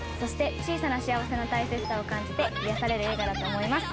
小さな幸せの大切さを感じて癒やされる映画だと思います。